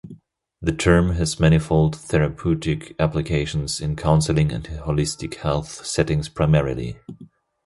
The term has manifold therapeutic applications in counseling and holistic health settings primarily.